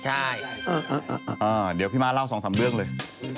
ใช่เดี๋ยวพี่ม้าเล่า๒๓เรื่องเลย